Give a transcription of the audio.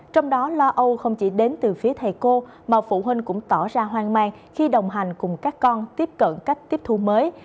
trong đó lo âu không chỉ đến từ phía thầy cô mà phụ huynh cũng tỏ ra hoang mang khi đồng hành cùng các con tiếp cận cách tiếp thu mới